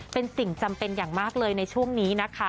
เป็นสิ่งจำเป็นอย่างมากเลยในช่วงนี้นะคะ